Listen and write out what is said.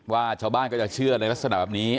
ว่าชาวบ้านก็จะเชื่อในลักษณะแบบนี้